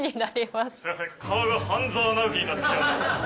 「すみません顔が半沢直樹になってしまいます」